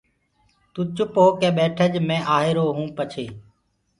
تو چُپ هوڪي ٻيٺج مي آهيروٚ پڇي